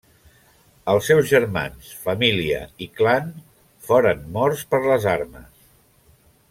Els seus germans, família i clan foren mort per les armes.